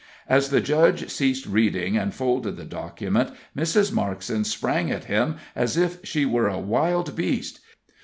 As the judge ceased reading, and folded the document, Mrs. Markson sprang at him as if she were a wild beast.